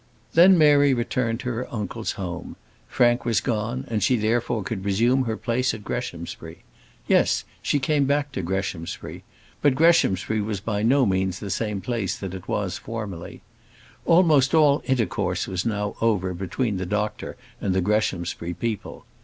Then Mary returned to her uncle's home. Frank was gone, and she therefore could resume her place at Greshamsbury. Yes, she came back to Greshamsbury; but Greshamsbury was by no means the same place that it was formerly. Almost all intercourse was now over between the doctor and the Greshamsbury people.